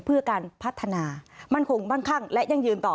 เพื่อการพัฒนามั่นคงมั่งคั่งและยั่งยืนต่อ